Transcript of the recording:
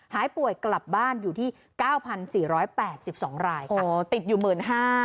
หายป่วยกลับบ้านอยู่ที่เก้าพันสี่ร้อยแปดสิบสองรายค่ะโหติดอยู่หมื่นห้า